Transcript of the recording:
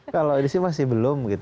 kalau ini sih masih belum gitu